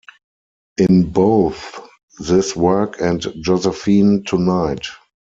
In both this work and Josephine Tonight!